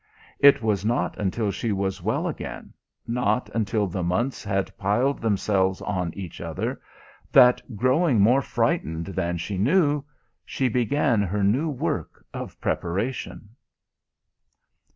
It was not until she was well again, not until the months had piled themselves on each other, that, growing more frightened than she knew, she began her new work of preparation.